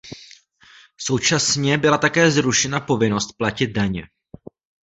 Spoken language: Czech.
Současně byla také zrušena povinnost platit daně.